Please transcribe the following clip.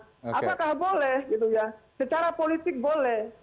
apakah boleh gitu ya secara politik boleh